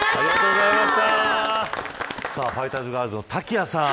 ファイターズガールの滝谷さん